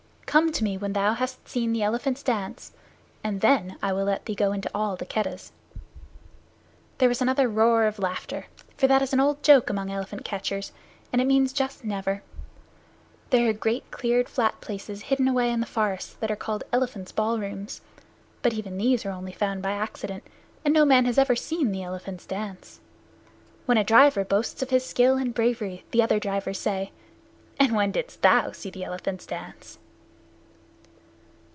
Come to me when thou hast seen the elephants dance, and then I will let thee go into all the Keddahs." There was another roar of laughter, for that is an old joke among elephant catchers, and it means just never. There are great cleared flat places hidden away in the forests that are called elephants' ball rooms, but even these are only found by accident, and no man has ever seen the elephants dance. When a driver boasts of his skill and bravery the other drivers say, "And when didst thou see the elephants dance?"